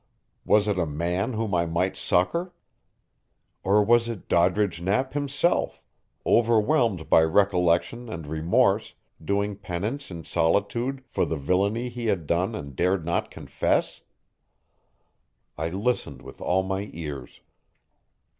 Was it a man whom I might succor? Or was it Doddridge Knapp himself, overwhelmed by recollection and remorse, doing penance in solitude for the villainy he had done and dared not confess? I listened with all my ears.